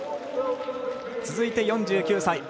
続いて４９歳。